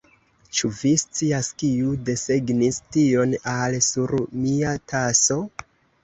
Ĉu vi scias kiu desegnis tion al sur mia taso?